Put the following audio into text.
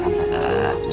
bisa dingin waktunya